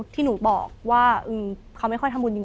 ที่หนูบอกว่าเขาไม่ค่อยทำบุญจริง